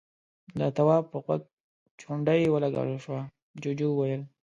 د تواب په غوږ چونډۍ ولګول شوه، جُوجُو وويل: